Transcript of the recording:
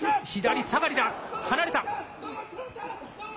左さがりだ、離れた。